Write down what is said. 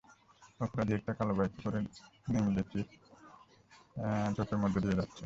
অপরাধী একটা কালো বাইকে করে নেমিলিচেরির ঝোপের মধ্য দিয়ে যাচ্ছে।